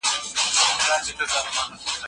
تاریخ په ایډیالوژیک چوکاټ کي تحریف سو.